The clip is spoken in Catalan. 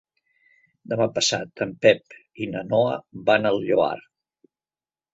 Demà passat en Pep i na Noa van al Lloar.